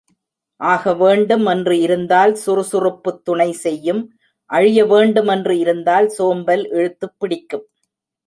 ஆகவேண்டும் என்று இருந்தால் சுறுசுறுப்புத் துணை செய்யும் அழியவேண்டும் என்று இருந்தால் சோம்பல் இழுத்துப் பிடிக்கும்.